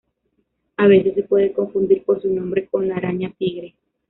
A veces se puede confundir por su nombre con la araña tigre.